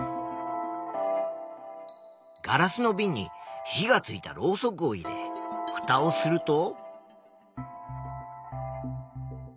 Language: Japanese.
ガラスのびんに火がついたろうそくを入れふたをすると。